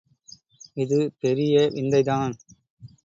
இது பெரிய விந்தைதான்.